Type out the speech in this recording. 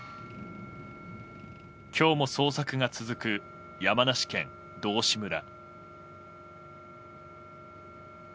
今日も捜索が続く山梨県道志村。